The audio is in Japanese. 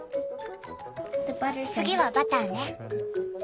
次はバターね。